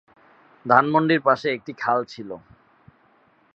ধানমন্ডির পাশেই একটি খাল ছিল।